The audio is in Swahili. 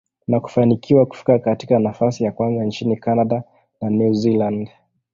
na kufanikiwa kufika katika nafasi ya kwanza nchini Canada na New Zealand.